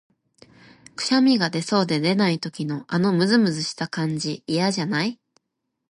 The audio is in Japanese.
くしゃみが出そうで出ない時の、あのむずむずした感じ、嫌じゃない？